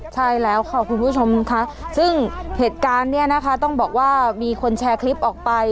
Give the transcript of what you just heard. ใช่แล้วค่ะคุณผู้ชมค่ะซึ่งเหตุการณ์เนี่ยนะคะต้องบอกว่ามีคนแชร์คลิปออกไป